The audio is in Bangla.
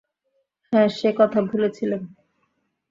হাঁ, সে কথা ভুলেছিলেম।